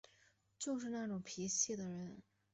就是那种脾气的人